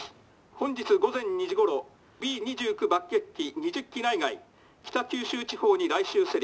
本日午前２時ごろＢ２９爆撃機２０機内外北九州地方に来襲せり」。